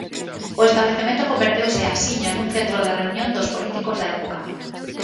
O establecemento converteuse axiña nun centro de reunión dos políticos da época.